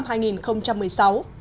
mời quý vị cùng theo dõi